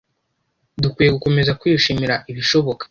dukwiye gukomeza kwishimira ibishoboka